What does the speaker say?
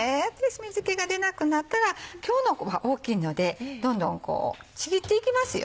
水気が出なくなったら今日の麩は大きいのでどんどんちぎっていきますよ